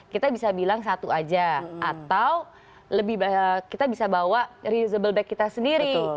kita bisa bilang satu aja atau lebih kita bisa bawa reusable back kita sendiri